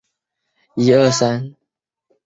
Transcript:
山地树鼩为婆罗洲特有的树鼩属物种。